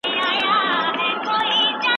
مامورین باید په خپلو کارونو کي چټک وي.